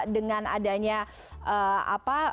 dengan adanya apa